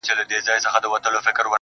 o هغه شپه مي ټوله سندريزه وه.